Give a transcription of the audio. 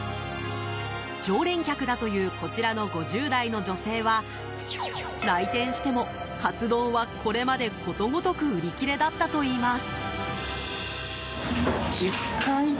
常連客だというこちらの５０代の女性は来店してもかつ丼は、これまでことごとく売り切れだったといいます。